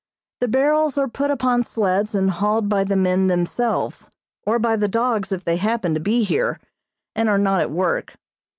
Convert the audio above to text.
The barrels are put upon sleds and hauled by the men themselves, or by the dogs if they happen to be here, and are not at work.